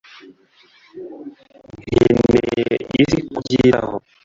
nkeneye isi kubyitaho